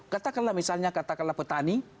katakanlah misalnya katakanlah petani